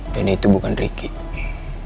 dan itu bukan ricky